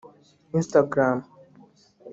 Instagram